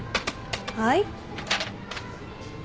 はい？